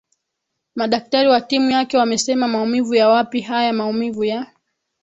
madaktari wa timu yake wamesema maumivu ya wapi haya maumivu ya